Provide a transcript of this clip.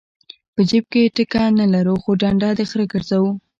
په جیب کې ټکه نه لرو خو ډنډه د خره ګرځو.